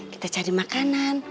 kita cari makanan